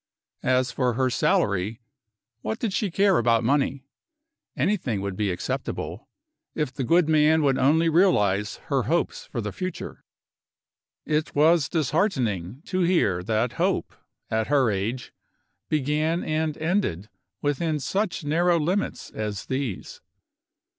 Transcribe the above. As for her salary, what did she care about money? Anything would be acceptable, if the good man would only realize her hopes for the future. It was disheartening to hear that hope, at her age, began and ended within such narrow limits as these.